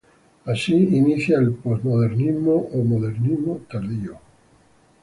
Así inicia el "post modernismo" o "modernismo tardío".